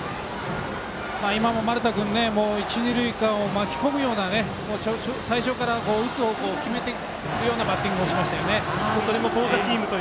今も丸田君一、二塁間を巻き込むような最初から打つ方向を決めてるようなバッティングをしましたね。